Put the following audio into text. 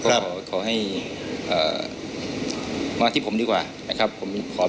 มีการที่จะพยายามติดศิลป์บ่นเจ้าพระงานนะครับ